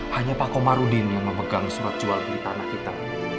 hanya pak komarudin yang memegang smart jual beli tanah kita